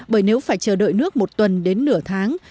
bởi nếu phải chờ đợi nước một tuần đến nửa tháng